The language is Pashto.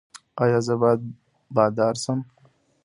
ایا زه باید بادار شم؟